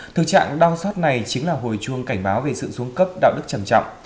thực trạng đau xót này chính là hồi chuông cảnh báo về sự xuống cấp đạo đức trầm trọng